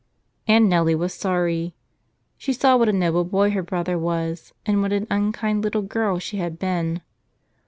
And Nellie was sorry. She saw what a noble boy her brother was and what an unkind little girl she had been.